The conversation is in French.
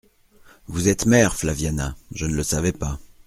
Vous êtes mère, Flaviana, je ne le savais pas.